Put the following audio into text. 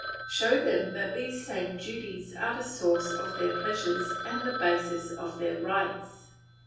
Show them that these same duties are the source of their pleasures and the basis of their rights.